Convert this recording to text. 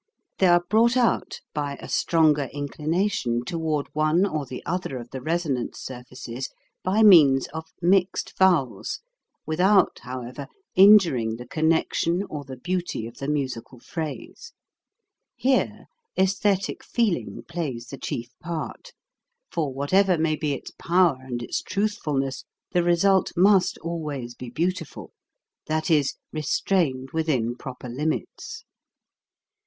They are brought out by a stronger inclina tion toward one or the other of the resonance surfaces by means of mixed vowels without, however, injuring the connection or the beauty of the musical phrase. Here aesthetic feeling plays the chief part, for whatever may be its power and its truthfulness, the result must always be beautiful, that is, restrained within proper limits.